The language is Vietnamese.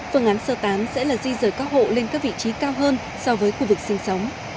phương án sơ tán sẽ là di rời các hộ lên các vị trí cao hơn so với khu vực sinh sống